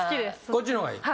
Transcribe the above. こっちの方がいい？